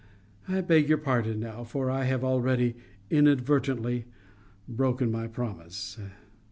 I beg your pardon now, for I have already inadvertently broken my promise.